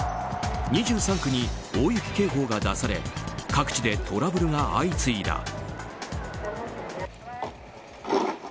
２３区に大雪警報が出され各地でトラブルが相次いだ。